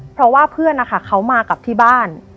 เพราะว่าเพื่อนนะคะเขามากลับที่บ้าน